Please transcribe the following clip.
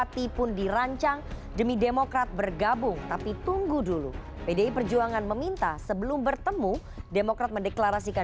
kini saatnya kita masuk ke segmen electionpedia